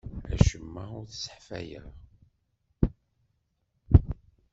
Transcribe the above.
Acemma ur t-sseḥfayeɣ.